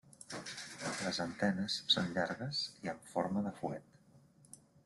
Les antenes són llargues i amb forma de fuet.